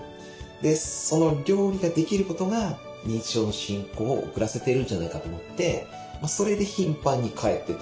でその料理ができることが認知症の進行を遅らせてるんじゃないかと思ってそれで頻繁に帰ってた。